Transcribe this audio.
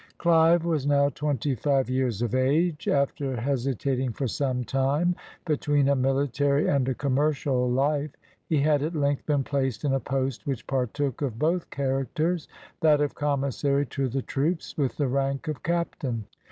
] Clive was now twenty five years of age. After hesitat ing for some time between a military and a commer cial life, he had at length been placed in a post which partook of both characters, that of commissary to the troops, with the rank of captain.